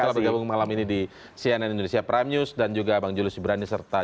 sudah bergabung malam ini di cnn indonesia prime news dan juga bang julius ibrani serta